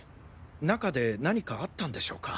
中で何かあったんでしょうか？